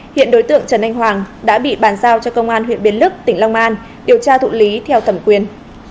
hiện đối tượng trần anh hoàng đã bị bàn giao cho công an huyện biến lức tỉnh long an điều tra thụ lý theo thẩm quyền